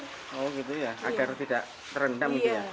oh gitu ya agar tidak terendam dia